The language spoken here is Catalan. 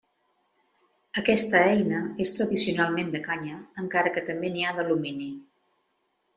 Aquesta eina és tradicionalment de canya, encara que també n'hi ha d'alumini.